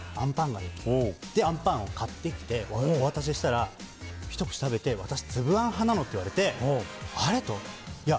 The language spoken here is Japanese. それで、あんパンを買ってきてお渡ししたら、ひと口食べて私、粒あん派なのって言われてあれと。